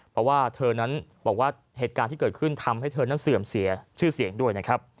เพราะว่าเธอนั้นบอกว่าเหตุการณ์ที่เกิดขึ้นทำให้เธอนั้นเสื่อมเสียชื่อเสียงด้วยนะครับ